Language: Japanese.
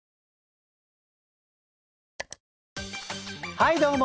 はいどうも。